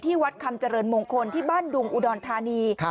วัดคำเจริญมงคลที่บ้านดุงอุดรธานี